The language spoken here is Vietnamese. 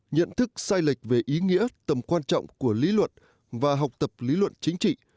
nhận thức sai lệch về ý nghĩa tầm quan trọng của lý luận và học tập lý luận chính trị